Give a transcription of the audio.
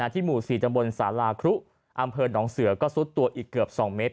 ที่หมู่๔ตำบลสาราครุอำเภอหนองเสือก็ซุดตัวอีกเกือบ๒เมตร